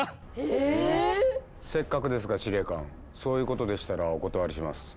えぇ⁉せっかくですが司令官そういうことでしたらお断りします。